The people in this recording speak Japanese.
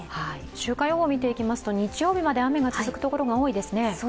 週間予報を見ていきますと、日曜日まで雨が続くところが多いですね。